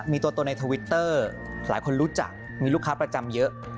มีตัวในทวิตเตอร์หลายคนรู้จักมีลูกค้าประจำเยอะ